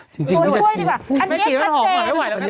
จริงจริงปลอดภัยแพ้ที่สามารถรับรีบขนาดนี้ตัวช่วยดีกว่า